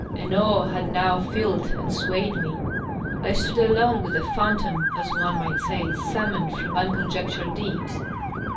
An awe had now filled and swayed me. I stood alone with a phantom, as one might say, summoned from unconiectured deeps.